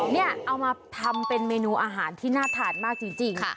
นี่เอามาทำเป็นเมนูอาหารที่น่าทานมากจริง